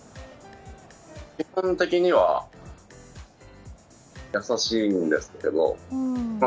基本的には優しいんですけど。